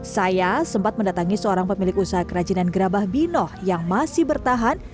saya sempat mendatangi seorang pemilik usaha kerajinan gerabah binoh yang masih bertahan